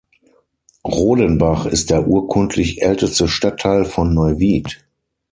Rodenbach ist der urkundlich älteste Stadtteil von Neuwied.